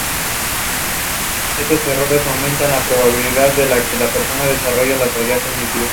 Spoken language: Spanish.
Fueron teloneros de Jimi Hendrix y The Doors.